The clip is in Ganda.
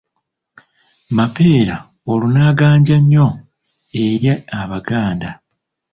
Mapeera olwo n'aganja nnyo eri Abaganda.